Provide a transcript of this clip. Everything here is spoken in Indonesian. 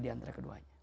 di antara keduanya